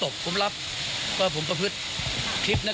ผมไปรับโทษตามกฎหมาย